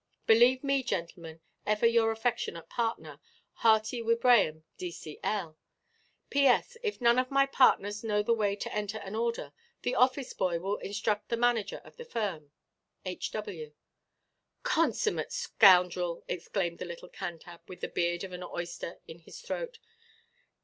"Believe me, Gentlemen, ever your affectionate partner, "HEARTY WIBRAHAM, D.C.L. "P.S.—If none of my partners know the way to enter an order, the office–boy will instruct the manager of the firm.—H. W." "Consummate scoundrel!" exclaimed the little Cantab, with the beard of an oyster in his throat.